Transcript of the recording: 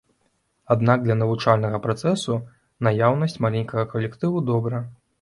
Аднак для навучальнага працэсу наяўнасць маленькага калектыву добра.